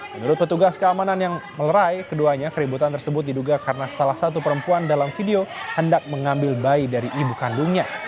menurut petugas keamanan yang melerai keduanya keributan tersebut diduga karena salah satu perempuan dalam video hendak mengambil bayi dari ibu kandungnya